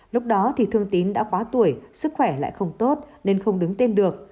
lúc đó thì thương tín đã quá tuổi sức khỏe lại không tốt nên không đứng tên được